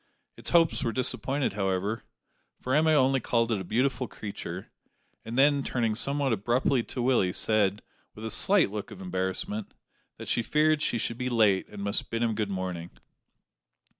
Its hopes were disappointed, however, for Emma only called it a beautiful creature; and then, turning somewhat abruptly to Willie, said, with a slight look of embarrassment, that she feared she should be late and must bid him good morning.